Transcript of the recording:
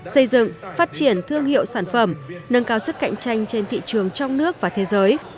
xây dựng phát triển thương hiệu sản phẩm nâng cao sức cạnh tranh trên thị trường trong nước và thế giới